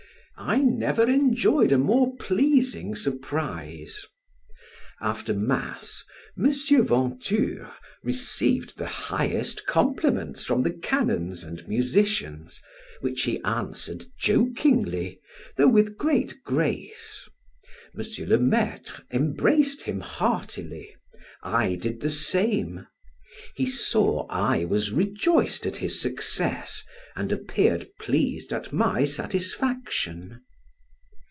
I never enjoyed a more pleasing surprise. After mass, M. Venture received the highest compliments from the canons and musicians, which he answered jokingly, though with great grace. M. le Maitre embraced him heartily; I did the same; he saw I was rejoiced at his success, and appeared pleased at my satisfaction.